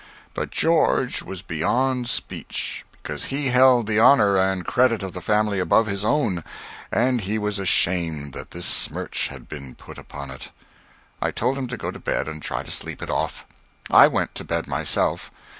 But George was beyond speech, because he held the honor and credit of the family above his own, and he was ashamed that this smirch had been put upon it. I told him to go to bed and try to sleep it off. I went to bed myself.